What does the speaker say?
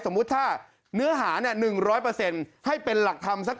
สมมุติถ้าเนื้อหา๑๐๐ให้เป็นหลักธรรมสัก๗๐